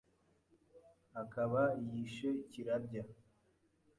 Akaba yishe Kirabya